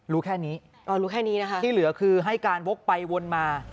รู้แค่นี้ที่เหลือคือให้การวกไปวนมา